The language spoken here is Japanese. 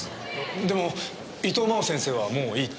でも伊藤真央先生はもういいって。